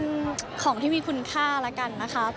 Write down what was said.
แล้วก็ด้วยความที่อุ่นวายคิวไม่ลองตัวอะไรอย่างเงี้ย